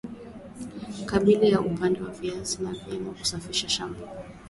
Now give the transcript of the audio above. kabla ya kupanda viazi ni vyema kusafisha shamba